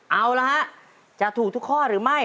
เอาละฮะจะถูกทุกข้อหรือไม่